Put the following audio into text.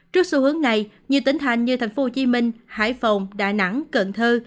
trước xu hướng này nhiều tỉnh thành như thành phố hồ chí minh hải phòng đà nẵng cần thơ